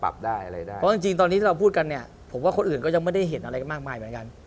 บอลเราพูดกันเนี่ยผมว่าคนอื่นก็ยังไม่ได้เห็นอะไรมากมายเหมือนกัน